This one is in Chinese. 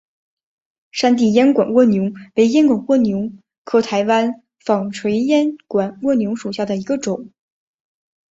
山地烟管蜗牛为烟管蜗牛科台湾纺锤烟管蜗牛属下的一个种。